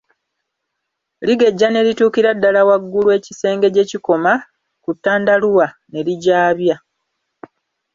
Ligejja ne lituukira ddala waggulu ekisenge gye kikoma ku tandaluwa ne ligyabya.